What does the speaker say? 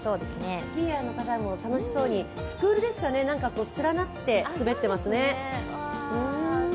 スキーヤーの方も楽しそうに、スクールですかね、連なって滑っていますね。